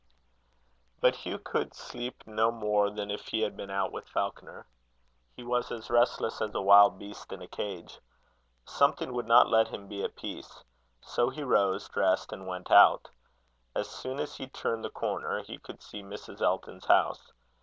But Hugh could sleep no more than if he had been out with Falconer. He was as restless as a wild beast in a cage. Something would not let him be at peace. So he rose, dressed, and went out. As soon as he turned the corner, he could see Mrs. Elton's house.